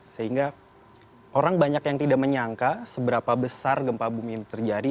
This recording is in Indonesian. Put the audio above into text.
sehingga orang banyak yang tidak menyangka seberapa besar gempa bumi ini terjadi